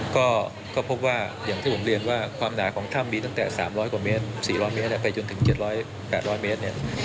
ก็พบว่ากว่าความหน่าของถ้ำดีตั้งแต่๓๐๐เมตร๖๐๐เมตรไปถึง๗๐๐๘๐๐เมตร